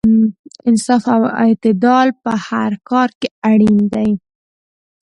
انصاف او اعتدال په هر کار کې اړین دی.